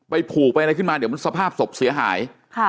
ผูกไปอะไรขึ้นมาเดี๋ยวมันสภาพศพเสียหาย